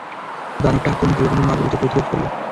দানবটা আক্রমণ করল, কিন্তু মা দ্রুত প্রতিরোধ করল।